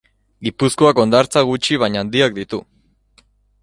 Gipuzkoak hondartza gutxi baina handiak ditu.